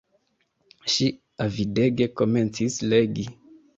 Ŝi avidege komencis legi.